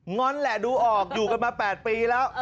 ง้อนแหละดูออกอยู่กันมา๘ปีแล้ว